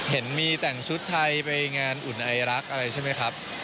เห็นมีแต่งชุดไทยไปงานอุ่นไอรักอะไรใช่ไหมครับ